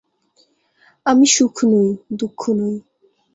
আমি সুখ নই, দুঃখ নই।